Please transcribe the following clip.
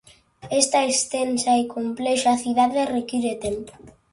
Esta extensa e complexa cidade require tempo.